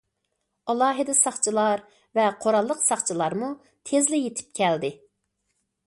ئالاھىدە ساقچىلار ۋە قوراللىق ساقچىلارمۇ تېزلا يېتىپ كەلدى.